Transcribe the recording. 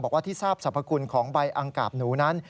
บอกว่าที่ทราบสรรพคุณของใบอังกาบหนูนั้น